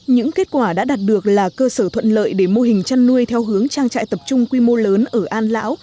những kết quả đã đạt được là cơ sở thuận lợi để mô hình chăn nuôi theo hướng trang trại tập trung quy mô lớn ở an lão